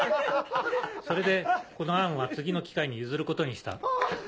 それでこの案は次の機会に譲ることにした。